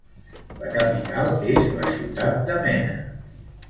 La capital és la ciutat de Mena.